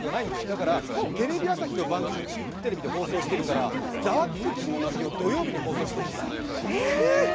だからテレビ朝日の番組もチューリップテレビで放送してるから「ざわつく金曜日」を土曜日に放送しているんだ。